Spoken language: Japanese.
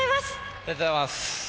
ありがとうございます。